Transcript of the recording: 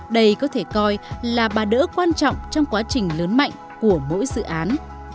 đây có thể coi là bà đỡ quan trọng trong quá trình lớn mạnh của mỗi dự án